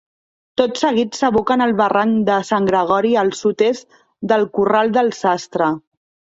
Tot seguit s'aboca en el barranc de Sant Gregori al sud-est del Corral del Sastre.